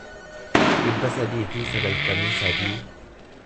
dhibba sadii fi sagaltamii sadii